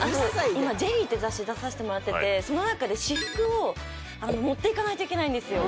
今「ＪＥＬＬＹ」って雑誌出させてもらっててその中で私服を持っていかないといけないんですよ